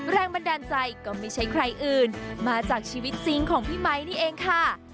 แรงบันดาลใจก็ไม่ใช่ใครอื่นมาจากชีวิตจริงของพี่ไมค์นี่เองค่ะ